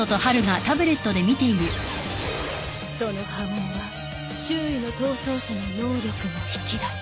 その波紋は周囲の逃走者の能力も引き出し。